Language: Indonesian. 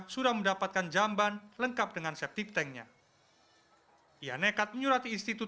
sudah mendapatkan jamban lengkap dengan septic tank nya ia nekat menyurati istitut